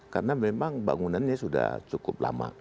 karena memang bangunannya sudah cukup lama